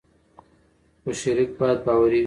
خو شریک باید باوري وي.